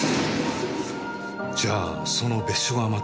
じゃあその別所がまた？